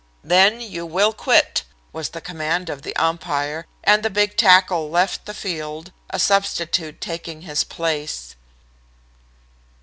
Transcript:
"'Then you will quit,' was the command of the umpire, and the big tackle left the field, a substitute taking his place."